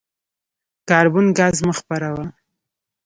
کاربن ګاز مه خپروه.